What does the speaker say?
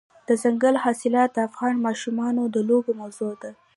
دځنګل حاصلات د افغان ماشومانو د لوبو موضوع ده.